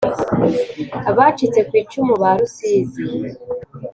Abacitse ku icumu ba Rusizi